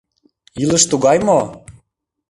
Илыш тугай мо?